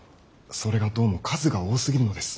それがどうも数が多すぎるのです。